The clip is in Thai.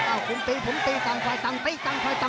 ก็พุ่มตีพุ่มตีต่างฝ่ายต่างตี